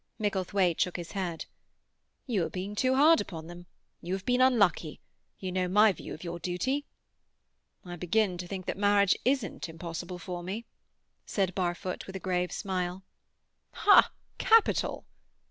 Micklethwaite shook his head. "You are too hard upon them. You have been unlucky. You know my view of your duty." "I begin to think that marriage isn't impossible for me," said Barfoot, with a grave smile. "Ha! Capital!"